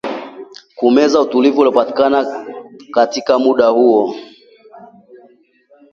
kumeza utulivu uliopatikana katika muda huo